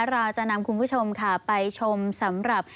เราจะนำคุณผู้ชมค่ะไปชมสำหรับ